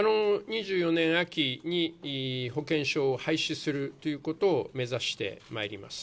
２４年秋に保険証を廃止するということを目指してまいります。